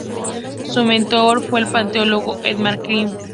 Su mentor fue el paleontólogo Edward Drinker Cope.